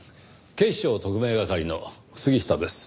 警視庁特命係の杉下です。